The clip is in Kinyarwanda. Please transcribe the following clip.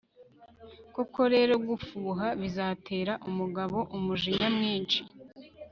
koko rero, gufuha bizatera umugabo umujinya mwinshi